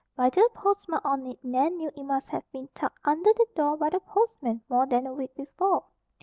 By the postmark on it Nan knew it must have been tucked under the door by the postman more than a week before.